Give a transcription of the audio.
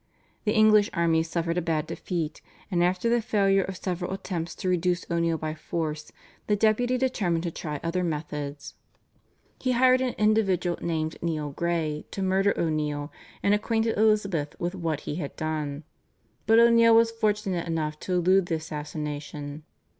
The English army suffered a bad defeat, and after the failure of several attempts to reduce O'Neill by force, the Deputy determined to try other methods. He hired an individual named Neil Gray to murder O'Neill and acquainted Elizabeth with what he had done, but O'Neill was fortunate enough to elude the assassin.